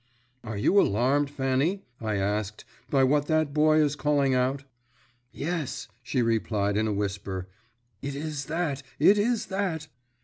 "Are you alarmed, Fanny," I asked, "by what that boy is calling out?" "Yes," she replied in a whisper, "it is that, it is that!"